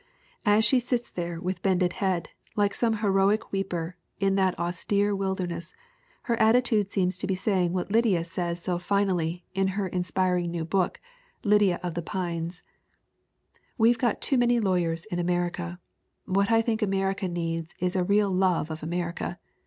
As she sits there with bended head, like some heroic weeper, in that austere wilderness, her attitude seems to be saying what Lydia says so 348 THE WOMEN WHO MAKE OUR NOVELS finally in her inspiring new book, Lydia of the Pines: " 'We've got too many lawyers in America. What I think America needs is real love of America.